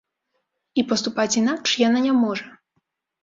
І паступаць інакш яна не можа.